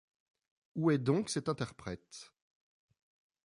Où est donc cet interprète ?